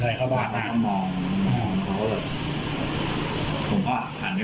ผมก็อาจห่างไปมองที่เขามองเลยักแล้วก็ตะโกนว่าเฮ้ยแล้วก็ฤกขึ้นมา